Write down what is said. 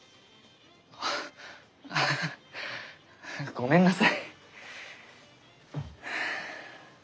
ごめんなさい。